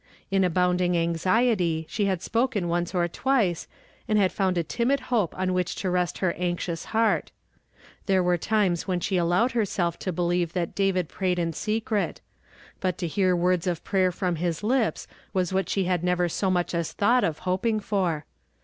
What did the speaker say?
In abounding anxiety she liad spoken once or twice, and luid found a timid hope on wliich to rest licr anxious lieart. There were times when she allowed herself to believe that David prayed in secret ; but to hear words of prayer from his lips was what she had never so mucli as thought of hoping for.